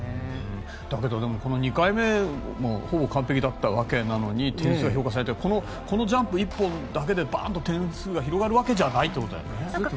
だけど、この２回目もほぼ完璧だったわけなのに点数が評価されなくてこのジャンプ１本だけでバンと点数が広がるわけじゃないってことだよね。